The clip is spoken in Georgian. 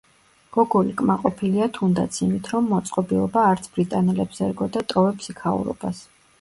გოგოლი კმაყოფილია თუნდაც იმით, რომ მოწყობილობა არც ბრიტანელებს ერგო და ტოვებს იქაურობას.